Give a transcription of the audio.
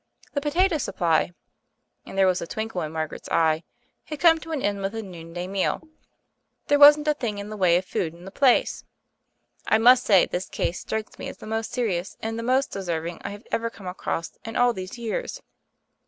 "The potato supply" — and there was a twinkle in Margaret's eye — "had come to an end with the noonday meal. There wasn't a thing in the way of food in the place. I must say this case strikes me as the most serious and the most deserving I have ever come across in all these years."